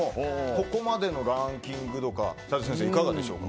ここまでのランキングとか齋藤先生、いかがでしょう。